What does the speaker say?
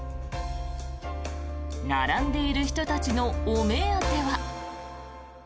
並んでいる人たちのお目当ては。